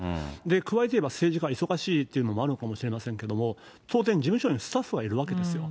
加えて言えば、政治家、忙しいというのもあるかもしれませんけれども、当然、事務所にスタッフがいるわけですよ。